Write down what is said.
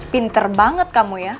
pinter banget kamu ya